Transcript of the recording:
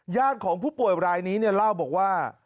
ญาติของผู้ป่วยรายนี้เนี่ยเล่าบอกว่า